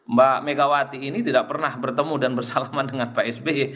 mbak megawati ini tidak pernah bertemu dan bersalaman dengan pak sby